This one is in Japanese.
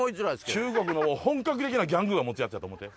中国の本格的なギャングが持つやつやと思って。